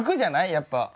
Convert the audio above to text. やっぱ。